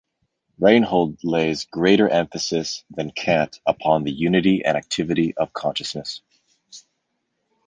Reinhold lays greater emphasis than Kant upon the unity and activity of consciousness.